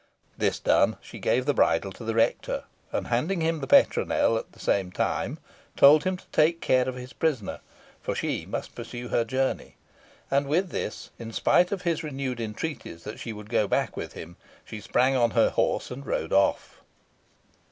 This done, she gave the bridle to the rector, and handing him the petronel at the same time, told him to take care of his prisoner, for she must pursue her journey. And with this, in spite of his renewed entreaties that she would go back with him, she sprang on her horse and rode off.